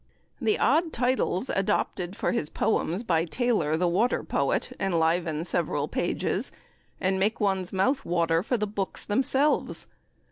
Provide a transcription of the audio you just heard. The odd titles adopted for his poems by Taylor, the water poet, enliven several pages, and make one's mouth water for the books themselves.